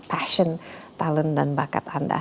passion talent dan bakat anda